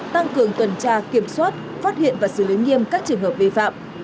tăng cường tuần tra kiểm soát phát hiện và xử lý nghiêm các trường hợp vi phạm